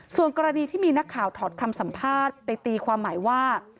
ส่วนกรณีที่มีนักข่าวถอดคำสัมภาษณ์ไปตีความหมายว่า